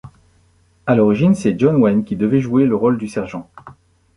À l'origine c'est John Wayne qui devait jouer le rôle du sergent.